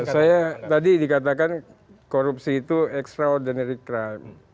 saya tadi dikatakan korupsi itu extraordinary crime